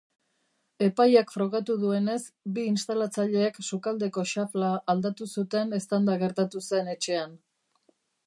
Epaiak frogatu duenez bi instalatzaileek sukaldeko xafla aldatu zuten eztanda gertatu zen etxean.